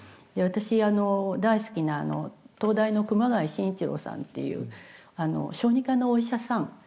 私あの大好きな東大の熊谷晋一郎さんっていう小児科のお医者さん。